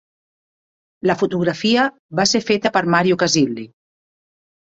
La fotografia va ser feta per Mario Casilli.